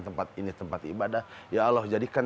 tempat ini tempat ibadah ya allah jadikan